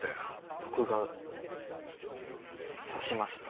僕が刺しました。